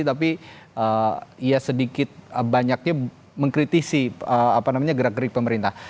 tapi ya sedikit banyaknya mengkritisi gerak gerik pemerintah